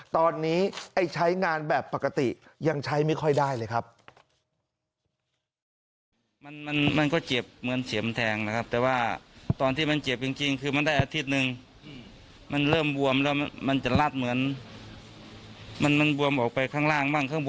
ตอนนี้ใช้งานแบบปกติยังใช้ไม่ค่อยได้เลยครับ